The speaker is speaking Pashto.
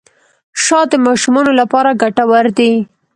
شات د ماشومانو لپاره ګټور دي.